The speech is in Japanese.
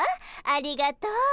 ありがとう。